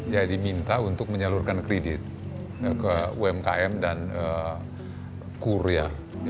ya diminta untuk menyalurkan kredit ke umkm dan kur ya